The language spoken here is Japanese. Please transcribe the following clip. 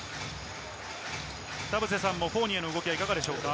田臥さんもフォーニエの動き、いかがですか？